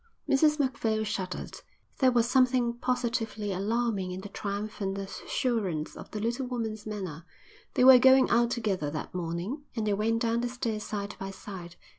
Mrs Macphail shuddered. There was something positively alarming in the triumphant assurance of the little woman's manner. They were going out together that morning, and they went down the stairs side by side.